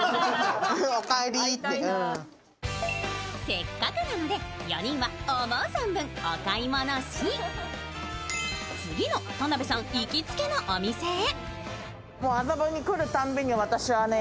せっかくなので４人は思う存分、お買い物し次の田辺さんの行きつけのお店へ。